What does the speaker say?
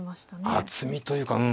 厚みというかうん